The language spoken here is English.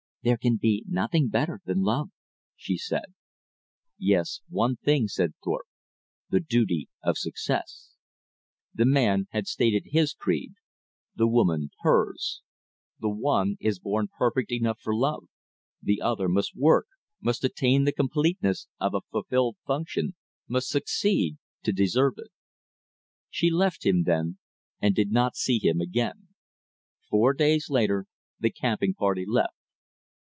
"There can be nothing better than love," she said. "Yes, one thing," said Thorpe, "the duty of success." The man had stated his creed; the woman hers. The one is born perfect enough for love; the other must work, must attain the completeness of a fulfilled function, must succeed, to deserve it. She left him then, and did not see him again. Four days later the camping party left.